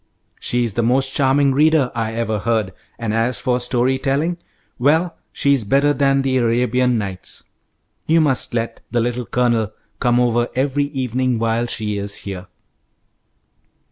She is the most charming reader I ever heard, and as for story telling well, she's better than the 'Arabian Nights.' You must let the Little Colonel come over every evening while she is here."